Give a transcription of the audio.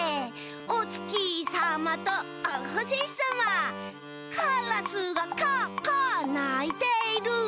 「おつきさまとおほしさま」「カラスがカアカアないている」